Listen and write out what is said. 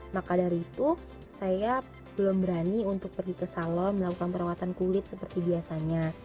maka dari itu saya belum berani untuk pergi ke salon melakukan perawatan kulit seperti biasanya